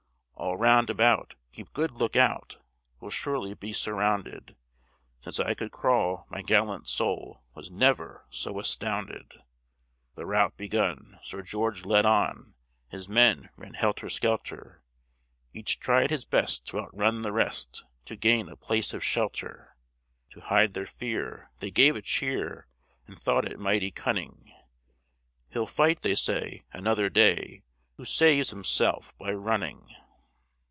All round about, keep good look out: We'll surely be surrounded; Since I could crawl, my gallant soul Was never so astounded." The rout begun, Sir George led on, His men ran helter skelter, Each tried his best t' outrun the rest To gain a place of shelter; To hide their fear, they gave a cheer, And thought it mighty cunning He'll fight, they say, another day, Who saves himself by running!